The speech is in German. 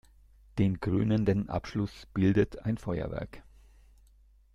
Den krönenden Abschluss bildet ein Feuerwerk.